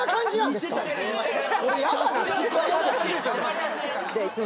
すっごい嫌ですね。